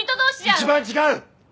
一番違う！